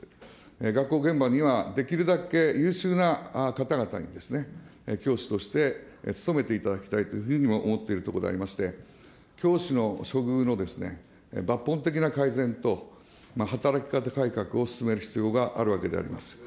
学校現場にはできるだけ優秀な方々に、教師としてつとめていただきたいというふうにも思っているところでありまして、教師の処遇の抜本的な改善と働き方改革を進める必要があるわけであります。